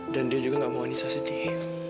dan dia juga gak mau anissa sedih